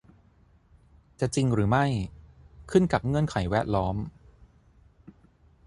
จะจริงหรือไม่ขึ้นกับเงื่อนไขแวดล้อม